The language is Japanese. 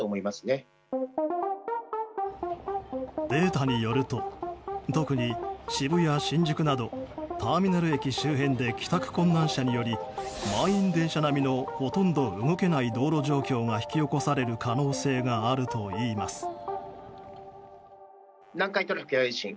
データによると特に渋谷、新宿などターミナル駅周辺で帰宅困難者により満員電車並みのほとんど動けない道路状況が引き起こされる可能性があるといいます。